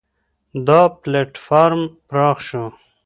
دا پلېټفارم پراخ شو.